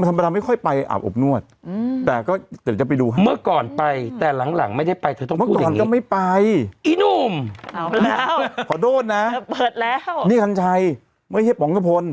มันไม่ได้เป็นการไปเที่ยวผู้หญิง